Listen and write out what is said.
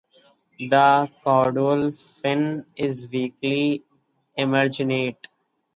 The caudal fin is weakly emarginate.